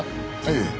ええ。